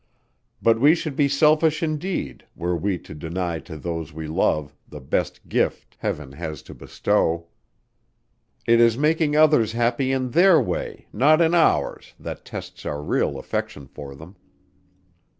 "But we should be selfish indeed were we to deny to those we love the best gift heaven has to bestow. It is making others happy in their way, not in ours, that tests our real affection for them.